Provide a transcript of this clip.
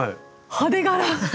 派手柄。